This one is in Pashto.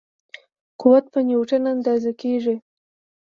قوت په نیوټن اندازه کېږي.